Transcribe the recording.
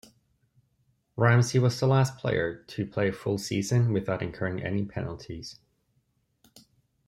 Ramsay was the last player to play a full season without incurring any penalties.